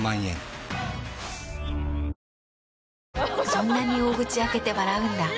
そんなに大口開けて笑うんだ。